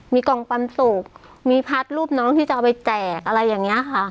มีกล่องปันสุกมีพาร์ทรูปน้องที่จะเอาไปแจกอะไรอย่างนี้ค่ะ